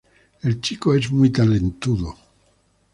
El chico es muy talentoso.